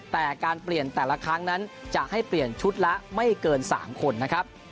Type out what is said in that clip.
แต่การเปลี่ยนแต่ละครั้งนั้นจะให้เปลี่ยนชุดละไม่เกิน๓คนนะครับ